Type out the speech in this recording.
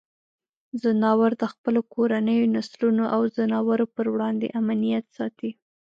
ځناور د خپلو کورنیو نسلونو او ځناورو پر وړاندې امنیت ساتي.